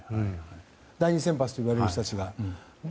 第２先発といわれる人たちが。